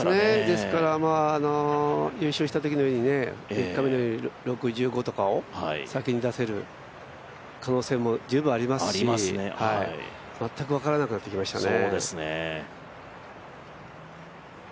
ですから優勝したときの、３日目のように６５とかを先に出せる可能性も十分ありますし全く分からなくなってきましたね。